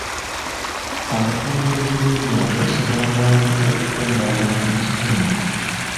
Abakulembeze b'ebyalo basobola mangu okukunga abantu mu kitundu.